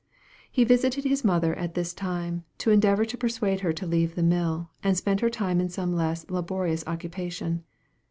He visited his mother at this time, to endeavor to persuade her to leave the mill, and spend her time in some less laborious occupation.